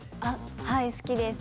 はい、好きです。